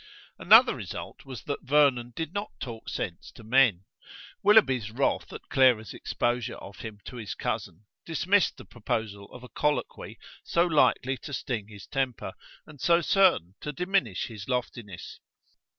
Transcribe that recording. Another result was that Vernon did not talk sense to men. Willoughby's wrath at Clara's exposure of him to his cousin dismissed the proposal of a colloquy so likely to sting his temper, and so certain to diminish his loftiness.